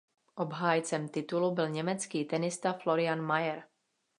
Obhájcem titulu byl německý tenista Florian Mayer.